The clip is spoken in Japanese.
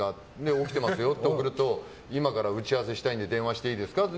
起きていますよって言ったら今から打ち合わせしたいので電話していいですかって。